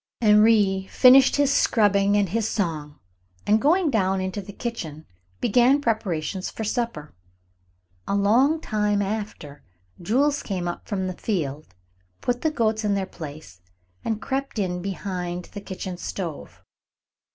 Henri finished his scrubbing and his song, and, going down into the kitchen, began preparations for supper. A long time after, Jules came up from the field, put the goats in their place, and crept in behind the kitchen stove.